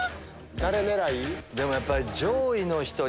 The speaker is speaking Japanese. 誰狙い？